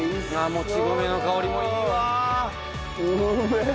もち米の香りもいいわ。